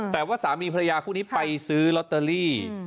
แต่ว่าสามีภรรยาคู่นี้ไปซื้อลอตเตอรี่